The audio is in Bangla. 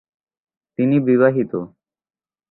তিনি বিবাহিত।